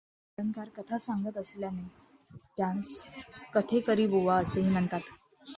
कीर्तनकार कथा सांगत असल्याने त्यांस कथेकरीबुवा असेही म्हणतात.